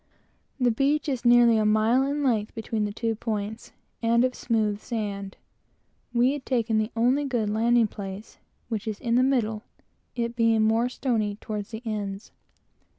The beach is nearly a mile in length between the two points, and of smooth sand. We had taken the only good landing place, which is in the middle; it being more stony toward the ends.